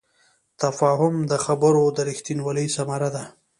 تفاهم د خبرو د رښتینوالي ثمره ده.